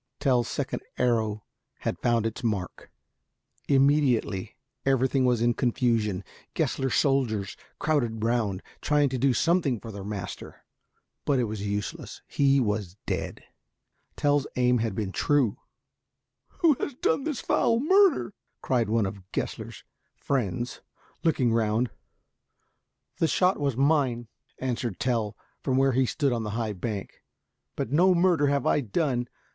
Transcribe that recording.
Tell's second arrow had found its mark. Immediately everything was in confusion. Gessler's soldiers crowded round, trying to do something for their master. But it was useless. He was dead. Tell's aim had been true. "Who has done this foul murder?" cried one of Gessler's friends, looking round. "The shot was mine," answered Tell, from where he stood on the high bank. "But no murder have I done.